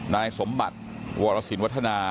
นายสมบัติวรสินวัฒนา